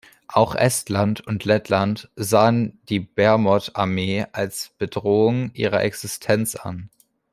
Auch Estland und Lettland sahen die Bermondt-Armee als Bedrohung ihrer Existenz an.